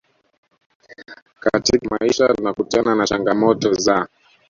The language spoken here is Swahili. katika maisha tunakutana na changamoto za